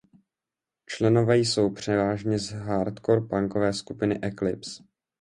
Členové jsou převážně z hardcore punkové skupiny Eclipse.